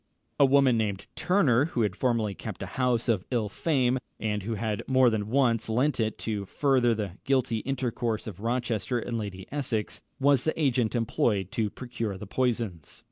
A woman named Turner, who had formerly kept a house of ill fame, and who had more than once lent it to further the guilty intercourse of Rochester and Lady Essex, was the agent employed to procure the poisons.